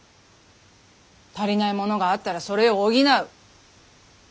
足りないものがあったらそれを補う。